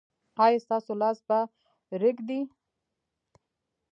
ایا ستاسو لاس به ریږدي؟